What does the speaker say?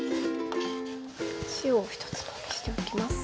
塩を１つまみしておきます。